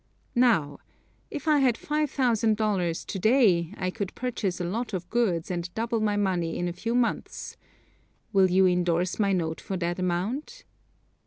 Now, if I had $5,000 to day I could purchase a lot of goods and double my money in a few months. Will you endorse my note for that amount?"